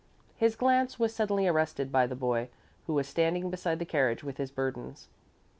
His glance was suddenly arrested by the boy, who was standing beside the carriage with his burdens.